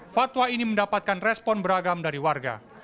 fatwa ini mendapatkan respon beragam dari warga